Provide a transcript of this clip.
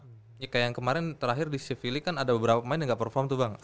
jika yang kemarin terakhir di sivilley kan ada beberapa pemain yang gak perform tuh bang